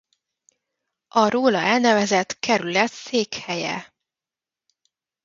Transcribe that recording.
A róla elnevezett kerület székhelye.